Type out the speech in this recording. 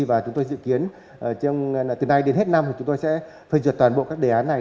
và chúng tôi dự kiến từ nay đến hết năm thì chúng tôi sẽ phê duyệt toàn bộ các đề án này